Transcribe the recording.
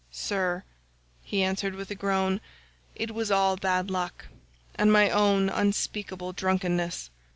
"'Sir,' he answered with a groan, 'it was all bad luck, and my own unspeakable drunkenness.